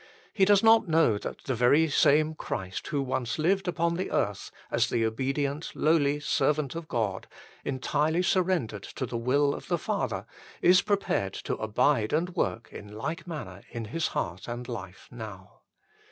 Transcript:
He does not know that the very same Christ who once lived upon the earth as the obedient, lowly Servant of God, entirely surrendered to the will of the Father, is prepared to abide and work in like manner in his heart and life now.